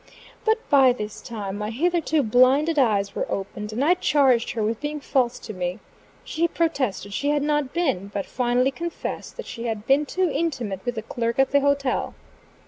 But by this time my hitherto blinded eyes were opened, and I charged her with being false to me. She protested she had not been; but finally confessed that she had been too intimate with the clerk at the hotel.